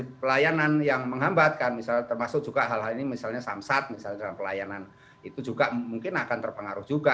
nah mungkin dengan jangka pendek itu sudah terlambat kan misalnya termasuk juga hal hal ini misalnya samsat misalnya dengan pelayanan itu juga mungkin akan terpengaruh juga